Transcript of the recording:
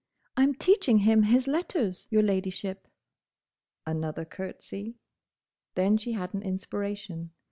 "I'm teaching him his letters, your Ladyship." Another curtsey. Then she had an inspiration.